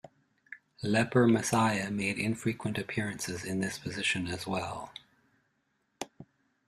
"Leper Messiah" made infrequent appearances in this position as well.